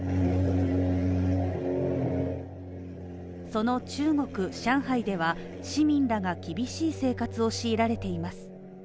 その中国・上海では市民らが厳しい生活を強いられています。